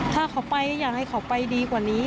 ถ้าเขาไปอยากให้เขาไปดีกว่านี้